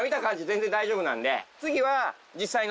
全然大丈夫なんで。